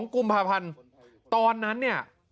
๒กุมภาพันธ์ตอนนั้นเนี่ย